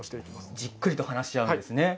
じっくりと話し合うんですね。